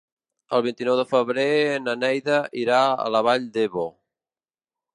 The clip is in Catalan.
El vint-i-nou de febrer na Neida irà a la Vall d'Ebo.